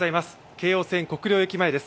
京王線国領駅前です。